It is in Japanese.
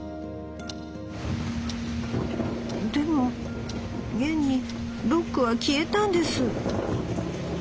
「『でも現にろっくは消えたんです。